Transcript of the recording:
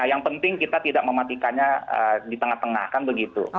yang penting kita tidak mematikannya di tengah tengah kan begitu